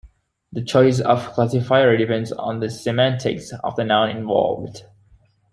The choice of classifier depends on the semantics of the noun involved.